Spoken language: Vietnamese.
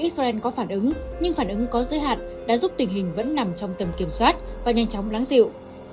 israel có phản ứng nhưng phản ứng có giới hạn đã giúp tình hình vẫn nằm trong tầm kiểm soát và nhanh chóng lắng dịu